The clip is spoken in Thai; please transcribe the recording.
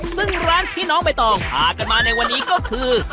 ซึ่งร้านที่น้องใบตองพากันมาในวันนี้ก็คือ